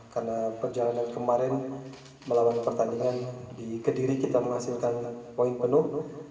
karena perjalanan kemarin melawan pertandingan di kediri kita menghasilkan poin penuh